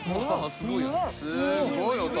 すごい音。